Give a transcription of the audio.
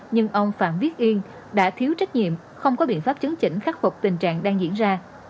nhưng ông phạm viết yên đã thiếu trách nhiệm không có biện pháp chứng chỉnh khắc phục tình trạng đang diễn ra